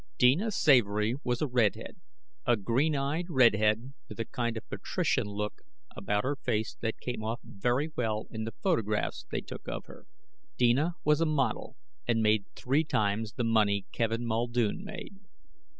Deena Savory was a redhead, a green eyed redhead with a kind of patrician look about her face that came off very well in the photographs they took of her. Deena was a model, and made three times the money Kevin Muldoon made.